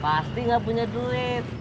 pasti gak punya duit